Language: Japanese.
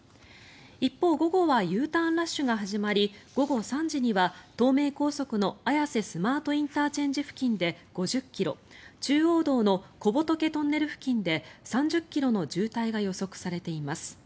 一方、午後はＵターンラッシュが始まり午後３時には、東名高速の綾瀬スマートＩＣ付近で５０ｋｍ中央道の小仏トンネル付近で３０ｋｍの渋滞が予測されています。